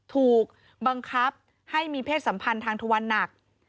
ถูกบังคับให้มีเพศสัมพันธ์ทางทวันหนัก